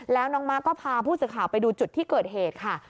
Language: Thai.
แล้วน้องมาร์คก็พาผู้สื่อข่าวไปดูจุดที่เกิดเหตุค่ะ